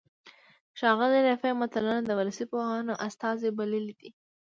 ښاغلي رفیع متلونه د ولسي پوهانو استازي بللي دي